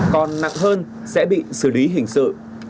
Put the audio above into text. còn nặng hơn sẽ bị xử lý hình sự